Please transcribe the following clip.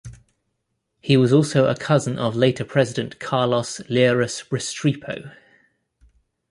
He was also a cousin of later president Carlos Lleras Restrepo.